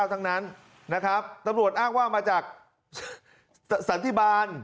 เป็นแรงงานต่างด้าวทั้งนั้นนะครับตรรวจอ้ากว่ามาจากสัตว์ธิบาล